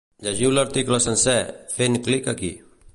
Llegiu l’article sencer, fent clic aquí.